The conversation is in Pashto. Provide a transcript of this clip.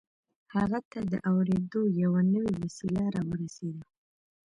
هغه ته د اورېدلو يوه نوې وسيله را ورسېده.